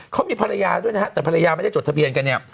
เขามีภรรยาด้วยนะฮะแต่ภรรยาไม่ได้จดทะเบียนกันเนี่ย